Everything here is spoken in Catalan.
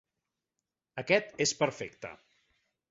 Aquest és perfecte.